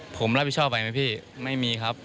ผมรับผิดชอบไปไหมพี่ไม่มีครับ